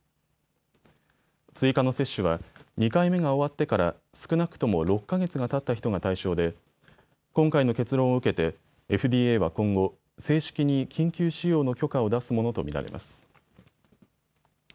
追加の接種は２回目が終わってから、少なくとも６か月がたった人が対象で今回の結論を受けてＦＤＡは今後正式に緊急使用の許可を出すものと見られます。